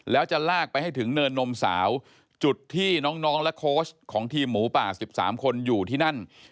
แล้วจะลากไปให้ถึงเนินนมสาวจุดที่น้องและโค้ชของทีมหมูป่า๑๓คนอยู่ที่นั่น